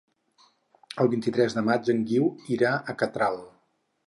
El vint-i-tres de maig en Guiu irà a Catral.